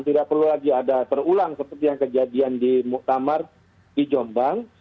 tidak perlu lagi ada terulang seperti yang kejadian di muktamar di jombang